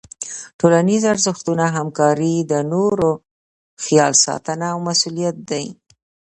ټولنیز ارزښتونه همکاري، د نورو خیال ساتنه او مسؤلیت دي.